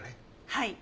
はい。